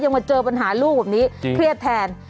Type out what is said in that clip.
มาเจอปัญหาลูกแบบนี้เครียดแทน